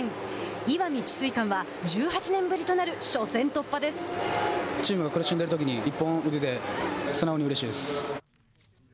石見智翠館は１８年ぶりとなる初戦突破です。